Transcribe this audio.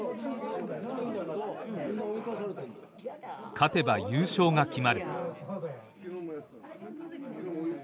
勝てば優勝が決まる。